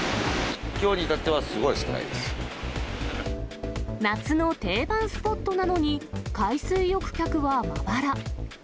きょうに至っては、すごい少夏の定番スポットなのに、海水浴客はまばら。